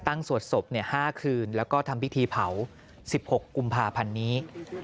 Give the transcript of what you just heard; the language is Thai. สวดศพ๕คืนแล้วก็ทำพิธีเผา๑๖กุมภาพันธ์นี้